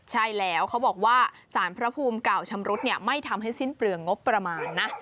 ใช่แล้วเขาบอกว่าสารพระภูมิเก่าชำรุดไม่ทำให้สิ้นเปลืองงบประมาณนะ